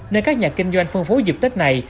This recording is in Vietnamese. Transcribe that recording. nên các nhà kinh doanh phân phối dịp tết này